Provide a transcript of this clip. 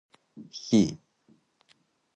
He was buried in Saint Patrick's Cathedral in Dublin.